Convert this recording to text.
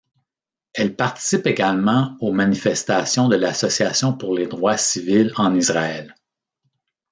Elle participe également aux manifestations de l'Association pour les droits civils en Israël.